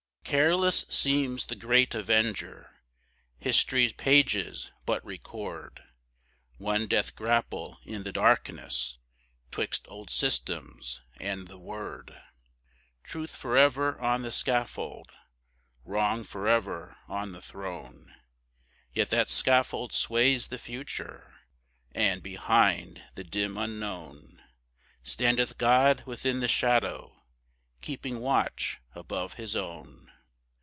Careless seems the great Avenger; history's pages but record One death grapple in the darkness 'twixt old systems and the Word; Truth forever on the scaffold, Wrong forever on the throne,— Yet that scaffold sways the future, and, behind the dim unknown, Standeth God within the shadow, keeping watch above his own.